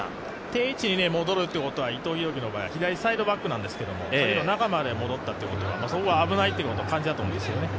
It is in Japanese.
定位置に戻るというのは伊藤洋輝の場合、左サイドバックなんですけど中まで戻ったということはそこが危ないということを感じたと思いますね。